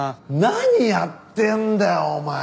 何やってんだよお前！